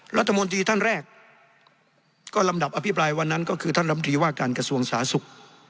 รัฐมนตรีท่านแรกก็ลำดับอภิปรายวันนั้นก็คือท่านลำตรีว่าการกระทรวงสาธารณสุข